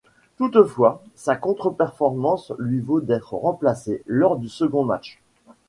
Toutefois sa contre-performance lui vaut d'être remplacée lors du second match.